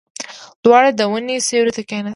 دواړه د ونې سيوري ته کېناستل.